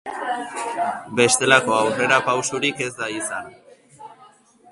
Bestelako aurrerapausirik ez da izan.